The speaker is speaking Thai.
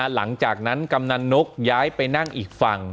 หลังจากนั้นกำนันนกย้ายไปนั่งอีกฝั่ง